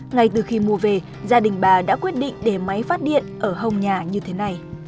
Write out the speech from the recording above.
ngay từ khi mua về gia đình bà đã quyết định để máy phát điện ở hồng nhà như thế này